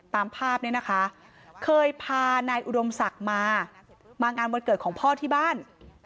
ตามภาพเนี่ยนะคะเคยพานายอุดมศักดิ์มามางานวันเกิดของพ่อที่บ้าน